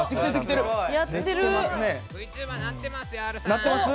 なってます？